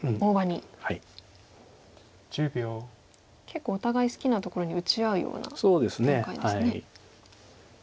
結構お互い好きなところに打ち合うような展開ですね。